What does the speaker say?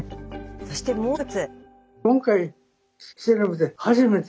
そしてもう一つ。